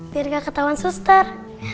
biar gak ketahuan suster